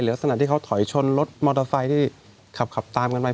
ลักษณะที่เขาถอยชนรถมอเตอร์ไซค์ที่ขับตามกันไป